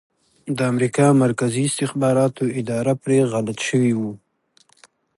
د امریکا مرکزي استخباراتو اداره پرې غلط شوي وو